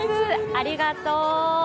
ありがとう。